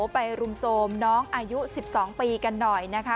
ไปรุมโทรมน้องอายุ๑๒ปีกันหน่อยนะคะ